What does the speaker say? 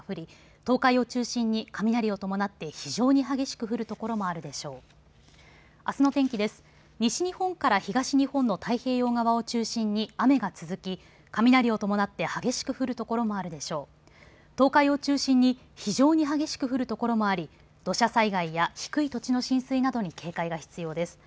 東海を中心に非常に激しく降る所もあり土砂災害や低い土地の浸水などに警戒が必要です。